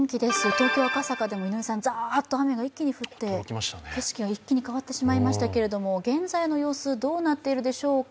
東京・赤坂でも雨がざーっと降って景色が一気に変わってしまいましたけども、現在の様子どうなっいてるでしょうか。